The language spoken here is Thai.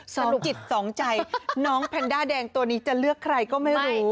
สนุกจิตสองใจน้องแพนด้าแดงตัวนี้จะเลือกใครก็ไม่รู้